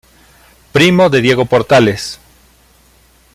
Primo de Diego Portales.